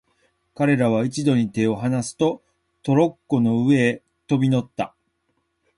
彼等は一度に手をはなすと、トロッコの上へ飛び乗った。